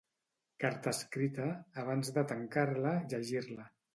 Carta escrita, abans de tancar-la, llegir-la.